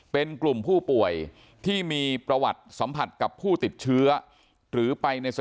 เป็นกลุ่มผู้ป่วยที่มีประวัติสัมผัสกับผู้ติดเชื้อหรือไปใน